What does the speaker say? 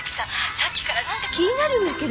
さっきからなんか気になるんだけど。